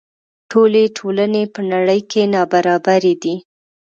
ټولې ټولنې په نړۍ کې نابرابرې دي.